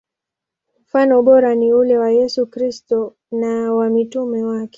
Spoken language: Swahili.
Mfano bora ni ule wa Yesu Kristo na wa mitume wake.